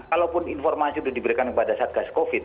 kalaupun informasi itu diberikan kepada satgas covid